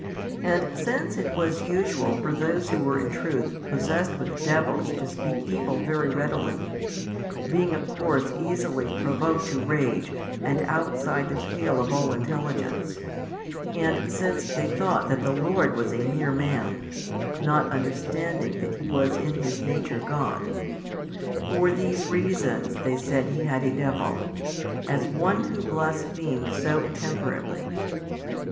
And since it was usual for those who were in truth possessed with devils to speak evil very readily, being of course easily provoked to rage and outside the pale of all intelligence, and since they thought that the Lord was a mere man, not understanding that He was in His Nature God; for these reasons they said He had a devil, as one who blasphemed so intemperately.